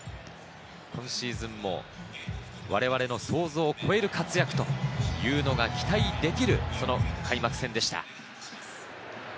今シーズンも我々の想像を超える活躍というのが期待できる、その開幕戦でした。